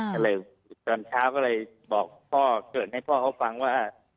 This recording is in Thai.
ก็เลยตอนเช้าก็เลยบอกพ่อเกิดให้พ่อเขาฟังว่า